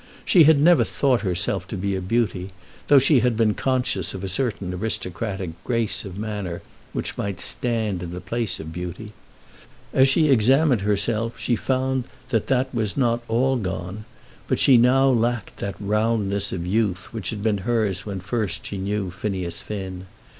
She had never thought herself to be a beauty, though she had been conscious of a certain aristocratic grace of manner which might stand in the place of beauty. As she examined herself she found that that was not all gone; but she now lacked that roundness of youth which had been hers when first she knew Phineas Finn.